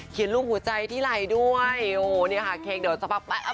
เขียนลูกหัวใจที่ไหล่ด้วยโอ้โหนี่ค่ะเค้กเดี๋ยวจะแปะนะ